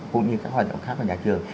cũng như các hoạt động khác ở nhà trường